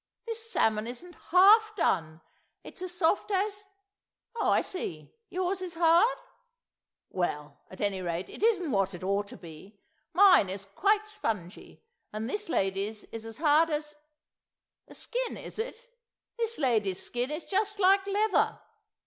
This salmon isn't half done. It's as soft as. ... Oh, I see; yours is hard? Well, at any rate, it isn't what it ought to be. Mine is quite spongy, and this lady's is as hard as ... the skin, is it? ... this lady's skin is just like leather.